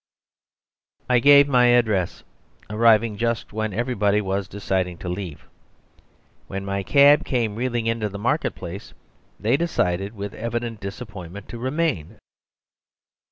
..... I gave my address, arriving just when everybody was deciding to leave. When my cab came reeling into the market place they decided, with evident disappointment, to remain.